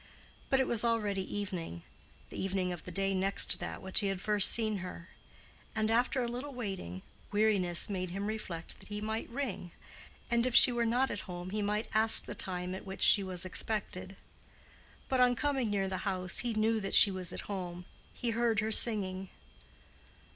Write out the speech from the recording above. But it was already evening—the evening of the day next to that which he had first seen her; and after a little waiting, weariness made him reflect that he might ring, and if she were not at home he might ask the time at which she was expected. But on coming near the house he knew that she was at home: he heard her singing.